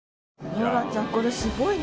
ローランちゃんこれすごいね。